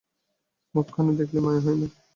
মুখখানা দেখলে মায়া হয় না?